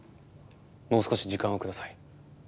もう少し時間を下さい。